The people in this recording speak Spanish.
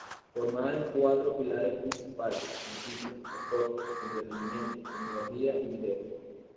Formada en cuatro pilares principales, noticias, deportes, entretenimiento, tecnología y vídeos.